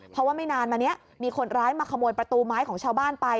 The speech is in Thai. เพราะว่าไม่นานมานี้มีคนร้ายมาขโมยประตูไม้ของชาวบ้านไป